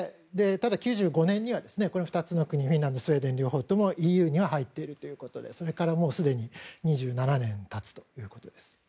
ただ、９５年には２つの国フィンランドとスウェーデンの両方ＥＵには入っているということでそれからすでに２７年経つということです。